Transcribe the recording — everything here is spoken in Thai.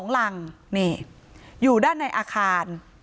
๒รังนี่อยู่ด้านในอาคาร